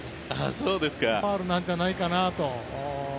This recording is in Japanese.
ファウルなんじゃないかなと。